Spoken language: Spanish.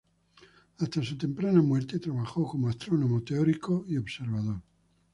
Hasta su temprana muerte, trabajó como astrónomo teórico y observador.